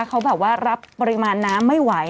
เขาแบบว่ารับปริมาณน้ำไม่ไหว